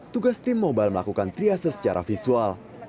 tugas tim mobile melakukan triase secara visual